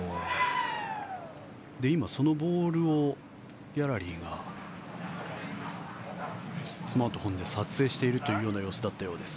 今、そのボールをギャラリーがスマートフォンで撮影しているという様子だったようです。